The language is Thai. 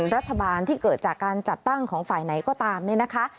รัฐบาลที่เกิดจากการจัดตั้งของฝ่ายไหนก็ตามเนี่ยนะคะ